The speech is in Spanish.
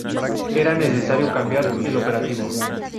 Era necesario cambiar el operativo.